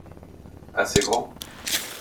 Assez grand.